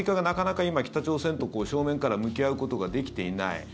なかなか、今北朝鮮と正面から向き合うことができていない。